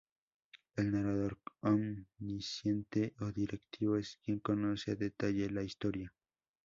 El narrador omnisciente o directivo es quien conoce a detalle la historia.